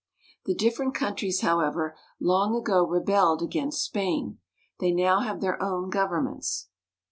The different countries, however, long ago rebelled against Spain. They now have their own governments.